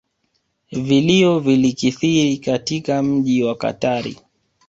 Vilio vilikithiri katika mji wa katari